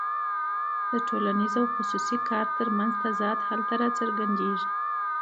د ټولنیز او خصوصي کار ترمنځ تضاد هلته راڅرګندېږي